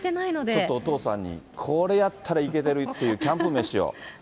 ちょっとお父さんに、これやったらいけてるっていうキャンプ飯を。